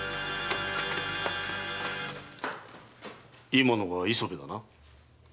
今のが磯部だな？